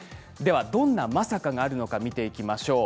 どんなまさかがあるのか見ていきましょう。